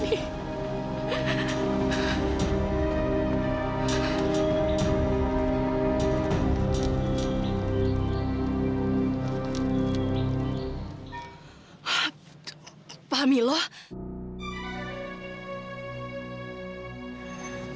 dia ada berbagai warga pilihan